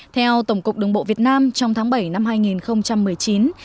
theo tổng cục đường bộ việt nam trong tháng bảy năm hai nghìn một mươi chín tình trạng xe quá tải có dấu hiệu